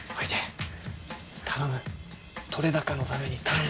頼む撮れ高のために頼む！